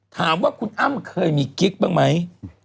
ถามว่าคุณอ้ำเคยมีกิ๊กบ้างไหม